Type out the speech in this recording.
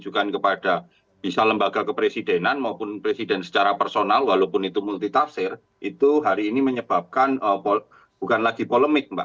kepada bisa lembaga kepresidenan maupun presiden secara personal walaupun itu multitafsir itu hari ini menyebabkan bukan lagi polemik mbak